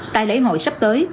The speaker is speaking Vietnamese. tại lễ hội sắp tới